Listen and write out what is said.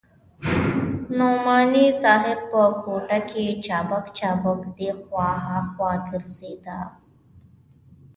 نعماني صاحب په کوټه کښې چابک چابک دې خوا ها خوا ګرځېده.